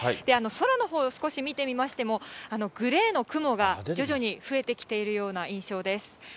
空のほう、少し見てみましても、グレーの雲が徐々に増えてきているような印象です。